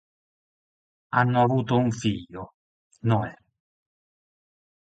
Hanno avuto un figlio, Noè.